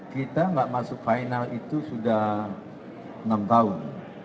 kita tidak masuk final itu sudah enam tahun